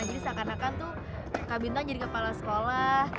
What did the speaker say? jadi seakan akan tuh kak bintang jadi kepala sekolah